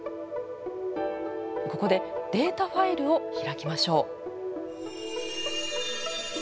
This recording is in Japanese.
ここでデータファイルを開きましょう。